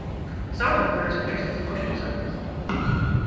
The sobbing occurs in faceless emotional silence.